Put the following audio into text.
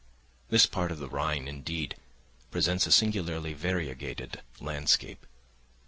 This part of the Rhine, indeed, presents a singularly variegated landscape.